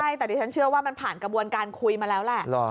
ใช่แต่ดิฉันเชื่อว่ามันผ่านกระบวนการคุยมาแล้วแหละ